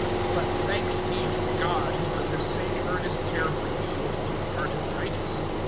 (16)But thanks be to God, who put the same earnest care for you into the heart of Titus.